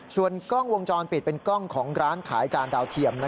ส่วนกล้องวงจรปิดเป็นกล้องของร้านขายจานดาวเทียม